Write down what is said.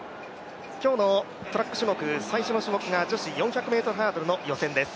今日のトラック種目、最初の種目が女子４００ｍハードルの予選です。